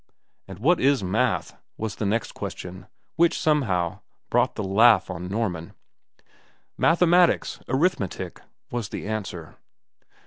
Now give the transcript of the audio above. "And what is math?" was the next question, which, somehow, brought the laugh on Norman. "Mathematics, arithmetic," was the answer.